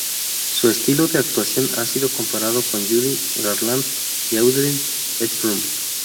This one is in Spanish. Su estilo de actuación ha sido comparado con Judy Garland y Audrey Hepburn.